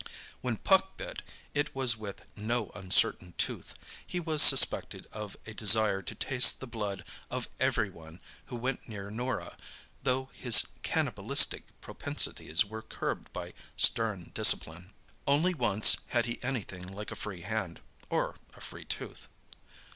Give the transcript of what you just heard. When Puck bit, it was with no uncertain tooth. He was suspected of a desire to taste the blood of every one who went near Norah, though his cannibalistic propensities were curbed by stern discipline. Only once had he had anything like a free hand—or a free tooth.